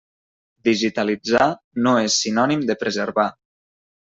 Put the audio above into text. Digitalitzar no és sinònim de preservar.